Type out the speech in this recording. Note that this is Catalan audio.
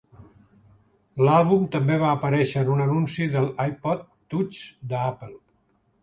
L'àlbum també va aparèixer en un anunci de l'iPod Touch d'Apple.